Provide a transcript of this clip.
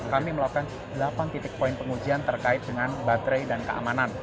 kami melakukan delapan titik poin pengujian terkait dengan baterai dan keamanan